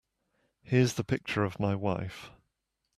Here's the picture of my wife.